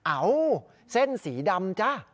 เอ้าเส้นสีดำจ้ะ